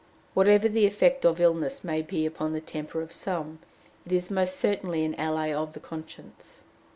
Whatever the effect of illness may be upon the temper of some, it is most certainly an ally of the conscience.